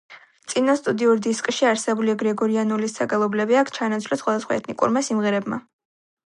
წინა სტუდიურ დისკში არსებული გრეგორიანული საგალობლები აქ ჩაანაცვლეს სხვადასხვა ეთნიკურმა სიმღერებმა.